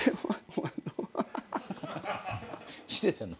してたの？